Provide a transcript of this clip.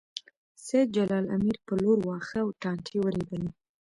سېد جلال امیر په لور واښه او ټانټې ورېبلې